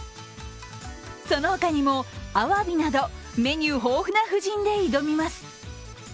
その他にもあわびなどメニュー豊富な布陣で挑みます。